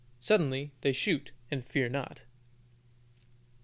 "Suddenly they shoot, and fear not."